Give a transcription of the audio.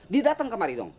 dia dateng kemari dong